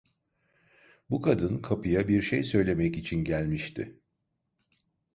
Bu kadın kapıya bir şey söylemek için gelmişti.